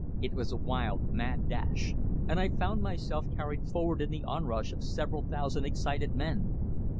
It was a wild, mad dash, and I found myself carried forward in the onrush of several thousand excited men.